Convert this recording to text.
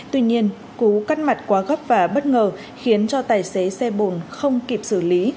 tuy nhiên cú cắt mặt quá gấp và bất ngờ khiến cho tài xế xe bồn không kịp xử lý